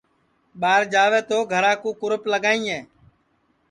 ٻار جاوے تو گھرا کُو کُرپ لگائیں